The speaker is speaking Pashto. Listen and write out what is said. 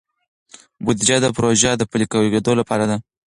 بودیجه د پروژو د پلي کیدو لپاره ده.